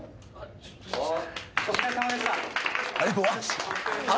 お疲れさまでした。